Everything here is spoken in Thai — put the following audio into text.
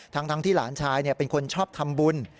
ทั้งที่หลานชายเป็นคนชอบทำบุญ